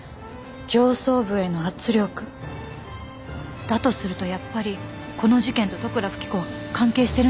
上層部への圧力？だとするとやっぱりこの事件と利倉富貴子は関係してるんでしょうか？